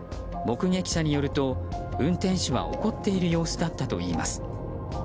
目撃者によると、運転手は怒っている様子だったといいます。